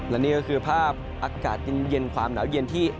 และนี่ก็คือภาพอากาศเย็นเย็นความหนาวที่